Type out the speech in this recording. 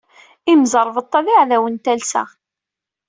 Imẓeṛbeṭṭa d iɛdawen n talsa.